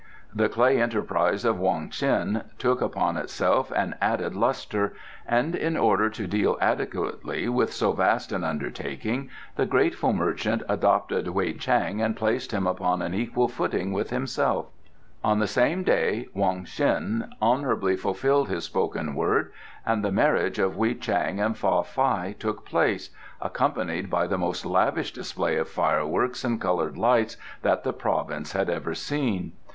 The clay enterprise of Wong Ts'in took upon itself an added lustre, and in order to deal adequately with so vast an undertaking the grateful merchant adopted Wei Chang and placed him upon an equal footing with himself. On the same day Wong Ts'in honourably fulfilled his spoken word and the marriage of Wei Chang and Fa Fai took place, accompanied by the most lavish display of fireworks and coloured lights that the province had ever seen.